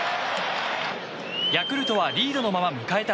ヤクルトはリードのまま迎えた